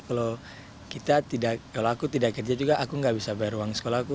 kalau aku tidak kerja juga aku nggak bisa bayar uang sekolah aku